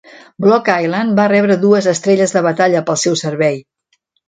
"Block Island" va rebre dues estrelles de batalla pel seu servei.